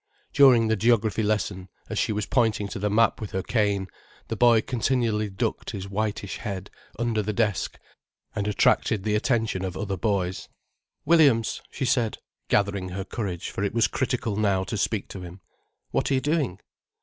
During the geography lesson, as she was pointing to the map with her cane, the boy continually ducked his whitish head under the desk, and attracted the attention of other boys. "Williams," she said, gathering her courage, for it was critical now to speak to him, "what are you doing?"